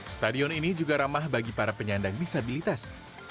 stadion ini juga ramah bagi para penyandang disabilitas